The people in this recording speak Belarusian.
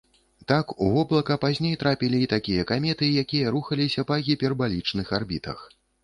Так, у воблака пазней трапілі і такія каметы, якія рухаліся па гіпербалічных арбітах.